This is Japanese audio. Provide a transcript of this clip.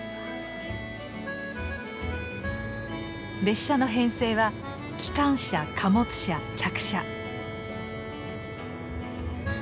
列車の編成は機関車貨物車客車。